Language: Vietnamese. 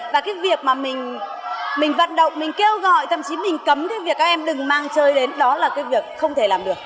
và cái việc mà mình vận động mình kêu gọi thậm chí mình cấm cái việc các em đừng mang chơi đến đó là cái việc không thể làm được